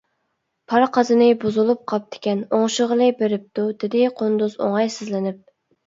-پار قازىنى بۇزۇلۇپ قاپتىكەن، ئوڭشىغىلى بېرىپتۇ، -دېدى قۇندۇز ئوڭايسىزلىنىپ.